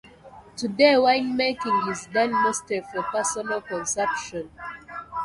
Today winemaking is done mostly for personal consumption.